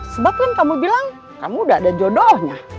sebabkan kamu bilang kamu udah ada jodohnya